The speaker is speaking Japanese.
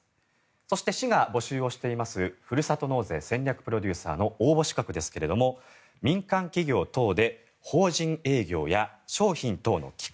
そして、市が募集しているふるさと納税戦略プロデューサーの応募資格ですが民間企業等で法人営業や商品等の企画